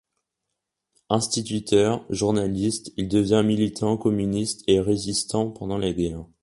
Instituteur, journaliste, il devint militant communiste et résistant pendant la guerre.